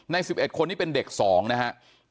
ใน๑๑คนนี้เป็นเด็ก๒นะครับ